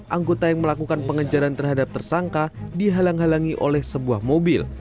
anggota yang melakukan pengejaran terhadap tersangka dihalang halangi oleh sebuah mobil